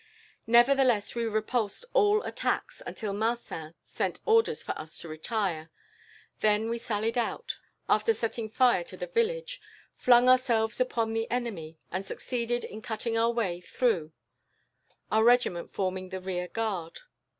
Nevertheless, we repulsed all attacks, until Marcin sent orders for us to retire; then we sallied out, after setting fire to the village, flung ourselves upon the enemy, and succeeded in cutting our way through, our regiment forming the rear guard.